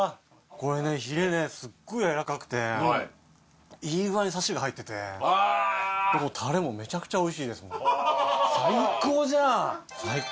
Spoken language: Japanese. これねヒレねすっごいやわらかくていい具合にサシが入っててタレもめちゃくちゃおいしいです最高じゃん！